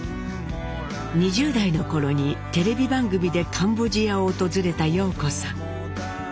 ２０代の頃にテレビ番組でカンボジアを訪れた陽子さん。